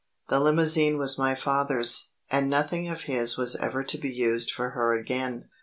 The limousine was my father's, and nothing of his was ever to be used for her again.